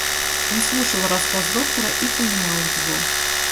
Он слушал рассказ доктора и понимал его.